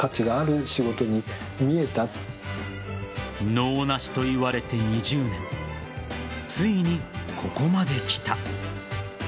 能なしと言われて２０年ついに、ここまで来た。